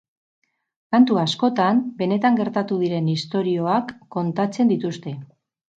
Kantu askotan benetan gertatu diren istorioak kontatzen dituzte.